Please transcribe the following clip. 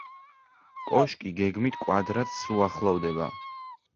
კოშკი გეგმით კვადრატს უახლოვდება.